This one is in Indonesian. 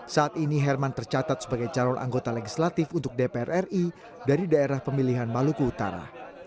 saat ini herman tercatat sebagai calon anggota legislatif untuk dpr ri dari daerah pemilihan maluku utara